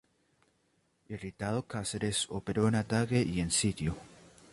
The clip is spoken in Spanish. Irritado Cáceres, operó en ataque y en sitio.